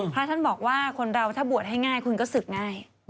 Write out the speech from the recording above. พระท่านบอกว่าคนเราถ้าบวชให้ง่ายคุณก็ศึกง่าย